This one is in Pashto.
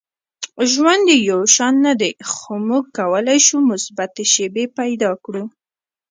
• ژوند یو شان نه دی، خو موږ کولی شو مثبتې شیبې پیدا کړو.